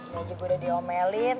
gajah gue udah diomelin